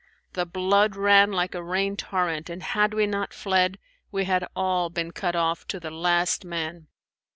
The blood ran like a rain torrent and had we not fled, we had all been cut off to the last man.'